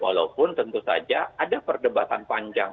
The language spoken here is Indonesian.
walaupun tentu saja ada perdebatan panjang